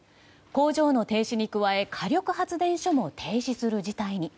工場の停止に加え火力発電所も停止する事態に。